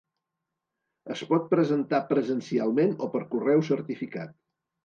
Es pot presentar presencialment o per correu certificat.